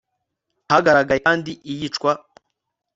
hagaragaye kandi iyicwa